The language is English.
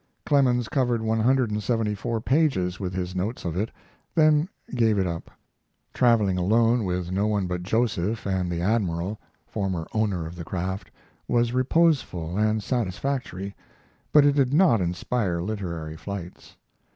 Clemens covered one hundred and seventy four pages with his notes of it, then gave it up. Traveling alone with no one but Joseph and the Admiral (former owner of the craft) was reposeful and satisfactory, but it did not inspire literary flights.